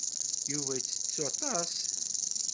Yuba yettettu aṭas.